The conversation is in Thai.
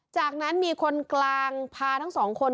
จากนั้นมีคนกลางพาทั้งสองคน